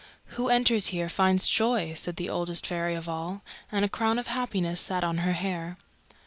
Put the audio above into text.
"Who enters here finds joy," said the Oldest Fairy of All, and a crown of happiness sat on her hair.